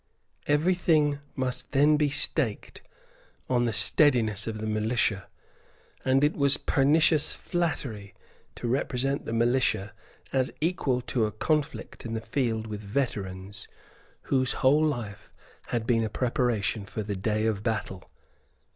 Every thing must then be staked on the steadiness of the militia; and it was pernicious flattery to represent the militia as equal to a conflict in the field with veterans whose whole life had been a preparation for the day of battle.